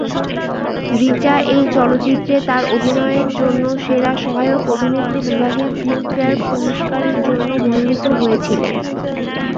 রিচা এই চলচ্চিত্রে তাঁর অভিনয়ের জন্য সেরা সহায়ক অভিনেত্রী বিভাগে ফিল্মফেয়ার পুরস্কারের জন্য মনোনীত হয়েছিলেন।